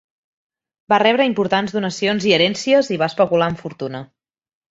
Va rebre importants donacions i herències, i va especular amb fortuna.